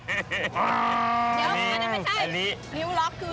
ถ้าได้ไม่ใช่นิ้วล็อคคือ